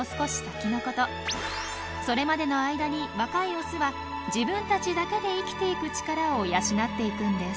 それまでの間に若いオスは自分たちだけで生きてゆく力を養っていくんです。